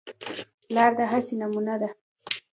پلار د هڅې نمونه ده.